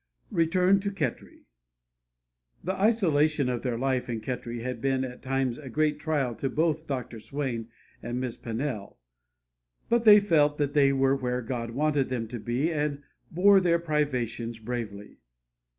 RETURN TO KHETRI The isolation of their life in Khetri had been at times a great trial to both Dr. Swain and Miss Pannell, but they felt that they were where God wanted them to be and bore their privations bravely.